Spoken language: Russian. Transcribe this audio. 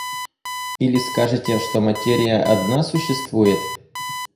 Или скажете, что материя одна существует?